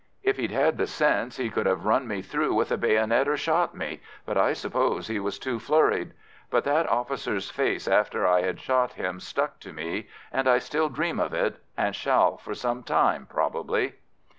If he'd had the sense he could have run me through with a bayonet or shot me, but I suppose he was too flurried. But that officer's face after I'd shot him stuck to me, and I still dream of it, and shall for some time, probably."